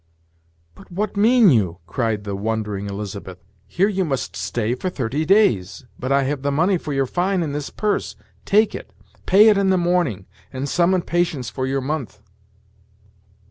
"But what mean you?" cried the wondering Elizabeth. "Here you must stay for thirty days; but I have the money for your fine in this purse. Take it; pay it in the morning, and summon patience for your mouth.